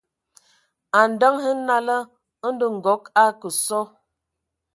A ndǝŋə hm nala, ndɔ Nkɔg o akǝ sɔ,